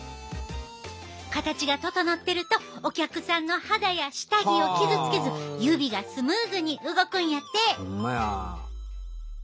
形が整ってるとお客さんの肌や下着を傷つけず指がスムーズに動くんやて。